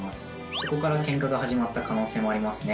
そこからケンカが始まった可能性もありますね。